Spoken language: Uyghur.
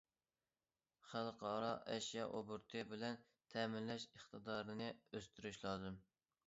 خەلقئارا ئەشيا ئوبوروتى بىلەن تەمىنلەش ئىقتىدارىنى ئۆستۈرۈش لازىم.